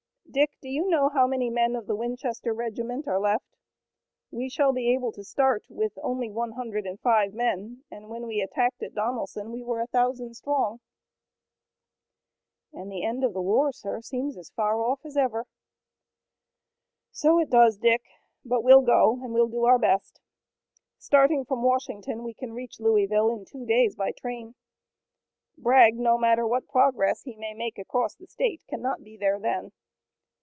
Dick, do you know how many men of the Winchester regiment are left? We shall be able to start with only one hundred and five men, and when we attacked at Donelson we were a thousand strong." "And the end of the war, sir, seems as far off as ever." "So it does, Dick, but we'll go, and we'll do our best. Starting from Washington we can reach Louisville in two days by train. Bragg, no matter what progress he may make across the state, cannot be there then.